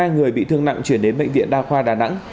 hai người bị thương nặng chuyển đến bệnh viện đa khoa đà nẵng